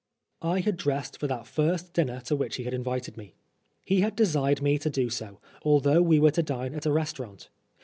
I had dressed for that first dinner to which he had invited me. He had desired me to do so, although we were to dine at a restaurant.